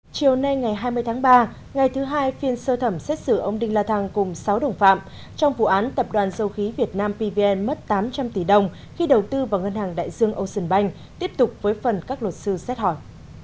chiều nay ngày hai mươi tháng ba ngày thứ hai phiên sơ thẩm xét xử ông đinh la thăng cùng sáu đồng phạm trong vụ án tập đoàn dầu khí việt nam pvn mất tám trăm linh tỷ đồng khi đầu tư vào ngân hàng đại dương ocean bank tiếp tục với phần các luật sư xét hỏi